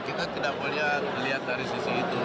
kita tidak melihat dari sisi itu